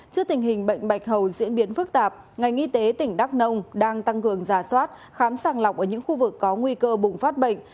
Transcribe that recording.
trước tình hình bệnh bạch hầu diễn biến phức tạp ngành y tế tỉnh đắk nông đang tăng cường giả soát khám sàng lọc ở những khu vực có nguy cơ bùng phát bệnh